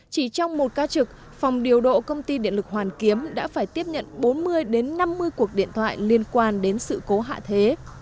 chỉ trong một ca trực phòng điều độ công ty điện lực hoàn kiếm đã phải tiếp nhận bốn mươi năm mươi cuộc điện thoại liên quan đến sự cố hạ thế